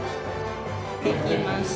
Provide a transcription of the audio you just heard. できました！